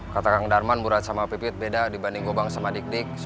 kata kang darman murad sama pipit beda dibanding gopang sama dik dik